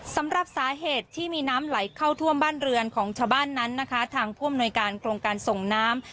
สำหรับสาเหตุที่มีน้ำไหลเข้าท่วมบ้านเรือนของชาวบ้านนั้นนะคะทางผู้อำนวยการโครงการส่งน้ำ